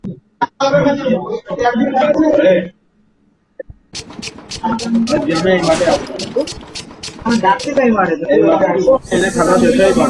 যেখানে আপনি অনেকগুলো পিকনিক পয়েন্ট পাবেন কারণ বর্ষাকালে অনেক প্রাকৃতিক জলাধার রয়েছে।